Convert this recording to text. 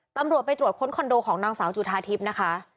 ตำรวจไปตรวจค้นคอนโดของนางสาวจุธาทิพย์นะคะ